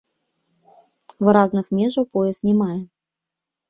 Выразных межаў пояс не мае.